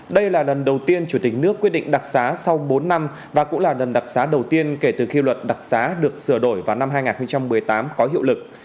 đây là lần đầu tiên chủ tịch nước quyết định đặc xá sau bốn năm và cũng là lần đặc giá đầu tiên kể từ khi luật đặc xá được sửa đổi vào năm hai nghìn một mươi tám có hiệu lực